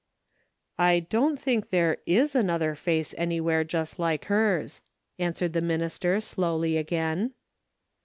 " I don't think there is another face any where just like hers," answered the minister slowly again.